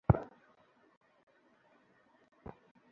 আসুন, নিজে বদলে যাই, অন্যকেও বদলে দিই।